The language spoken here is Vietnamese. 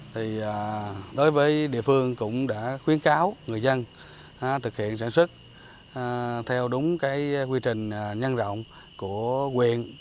thì đối với địa phương cũng đã khuyến cáo người dân thực hiện sản xuất theo đúng cái quy trình nhân rộng của quyền